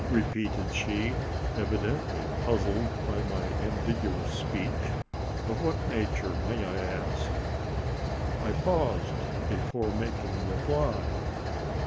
repeated she, evidently puzzled by my ambiguous speech; "of what nature, may I ask?" I paused before making reply.